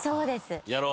やろう。